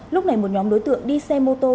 lúc này một nhóm đối tượng đi xe mô tô